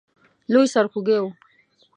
لوی سرخوږی وو.